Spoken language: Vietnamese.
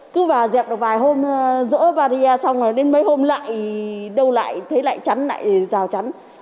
cứ vào dẹp được vài hôm rỡ và rìa xong rồi đến mấy hôm lại đâu lại thấy lại chắn lại rào chắn